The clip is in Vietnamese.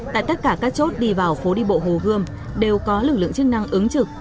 tại tất cả các chốt đi vào phố đi bộ hồ gươm đều có lực lượng chức năng ứng trực